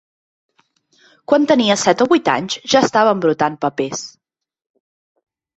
Quan tenia set o vuit anys ja estava embrutant papers.